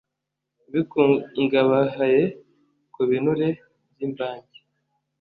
bikungahaye ku binure byimvange